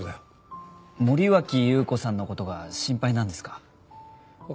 森脇裕子さんの事が心配なんですか？